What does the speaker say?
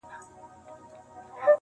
نه واسکټ- نه به ځان مرګی- نه به ترور وي-